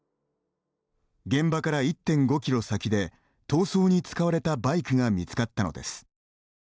現場から１．５キロ先で逃走に使われたバイクが見つかったのです。